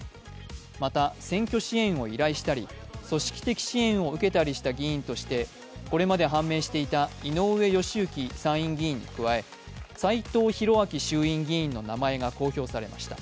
また、選挙支援を依頼したり、組織的支援を受けたりした議員としてこれまで判明していた井上義行参院議員に加え、斎藤洋明衆院議員の名前が公表されました。